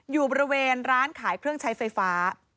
อยู่บริเวณร้านขายเครื่องใช้ไฟฟ้า